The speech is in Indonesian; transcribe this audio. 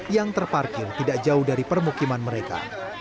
yang terparkir tidak jauh dari permukiman mereka